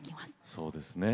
そうですね。